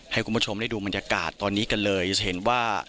ให้คุณผู้ชมได้ดูบรรยากาศตอนนี้กันเลยจะเห็นว่า